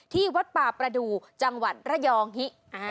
ที่วัดป่าประดูกจังหวัดระยองฮิ